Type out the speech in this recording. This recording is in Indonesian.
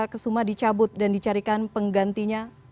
kesuma dicabut dan dicarikan penggantinya